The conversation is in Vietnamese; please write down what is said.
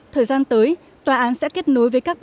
thời gian tới tòa án sẽ kết nối với các vụ kiện